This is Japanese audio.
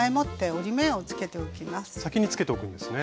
先につけておくんですね。